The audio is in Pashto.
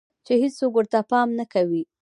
چې هيڅوک ورته پام نۀ کوي